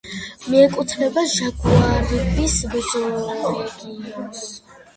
მიეკუთვნება ჟაგუარიბის მეზორეგიონს.